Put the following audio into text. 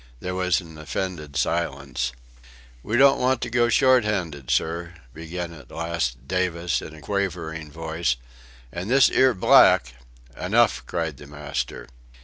There was an offended silence. "We don't want to go shorthanded, sir," began at last Davis in a wavering voice, "and this 'ere black...." "Enough!" cried the master.